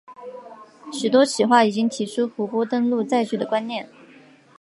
许多企划已经提出湖泊登陆载具的观念。